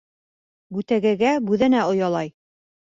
Бүтәгәгә бүҙәнә оялай.